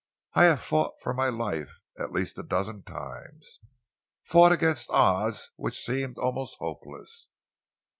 I have fought for my life at least a dozen times, fought against odds which seemed almost hopeless.